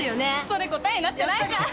それ答えになってないじゃん。